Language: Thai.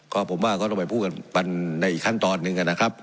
ก็ผมว่าก็ต้องไปพูดกันในอีกขั้นตอนหนึ่งนะครับ